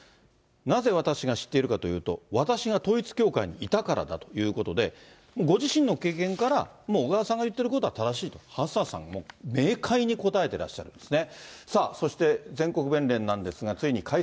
なぜ私が知っているかというと、私が統一教会にいたからだということで、ご自身の経験からもう小川さんが言ってることは正しい、ハッサンさんは明快に答えていらっしゃるんですね。